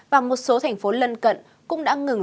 và một số thành phố lân cận cũng đã ngừng